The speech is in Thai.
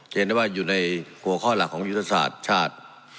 เห็นได้ว่าอยู่ในหัวข้อหลักของยุทธศาสตร์ชาติ